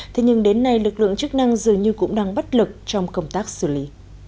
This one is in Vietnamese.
thế nhưng đến nay lực lượng chức năng dường như cũng đang bất lực trong công tác xử lý